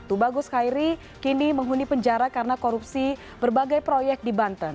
tubagus khairi kini menghuni penjara karena korupsi berbagai proyek di banten